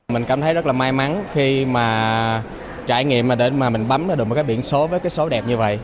mình cảm thấy rất là may mắn khi mà trải nghiệm mà để mà mình bấm ra được một cái biển số với cái số đẹp như vậy